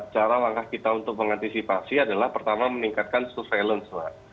cara langkah kita untuk mengantisipasi adalah pertama meningkatkan surveillance pak